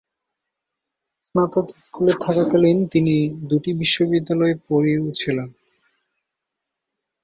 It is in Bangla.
স্নাতক স্কুলে থাকাকালীন তিনি দুটি বিশ্ববিদ্যালয়ে পড়িয়েওছিলেন।